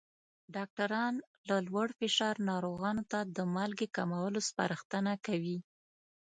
ډاکټران له لوړ فشار ناروغانو ته د مالګې کمولو سپارښتنه کوي.